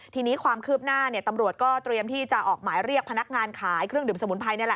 ทีนี้ความคืบหน้าตำรวจก็เตรียมที่จะออกหมายเรียกพนักงานขายเครื่องดื่มสมุนไพรนี่แหละ